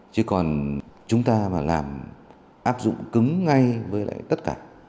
chứ còn chúng ta mà làm áp dụng cứng ngay với lại tất cả